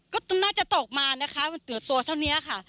ก็น่าจะตกมานะคะตัวเท่านี้ค่ะ